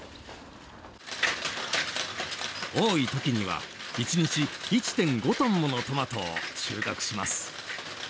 多いときには一日１．５トンものトマトを収穫します。